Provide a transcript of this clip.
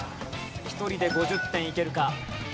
１人で５０点いけるか？